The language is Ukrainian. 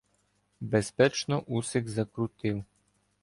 Безпечно усик закрутив